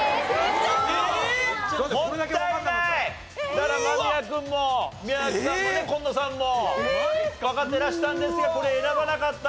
だから間宮君も宮崎さんもね紺野さんもわかってらしたんですがこれ選ばなかった！